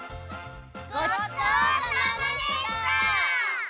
ごちそうさまでした！